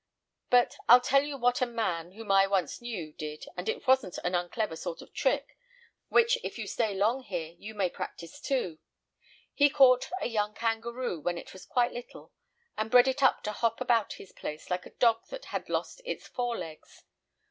But I'll tell you what a man, whom I once knew, did, and it wasn't an unclever sort of trick, which, if you stay long here, you may practise too. He caught a young kangaroo when it was quite little, and bred it up to hop about his place like a dog that had lost its fore legs.